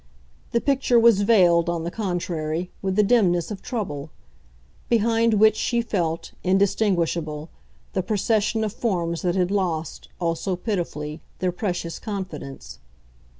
The picture was veiled, on the contrary, with the dimness of trouble; behind which she felt, indistinguishable, the procession of forms that had lost, all so pitifully, their precious confidence.